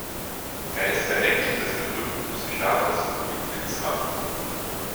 Er ist der Enkel des berühmten Psychiaters Ludwig Binswanger.